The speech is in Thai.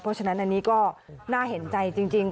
เพราะฉะนั้นอันนี้ก็น่าเห็นใจจริง